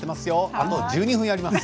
あと１２分やります。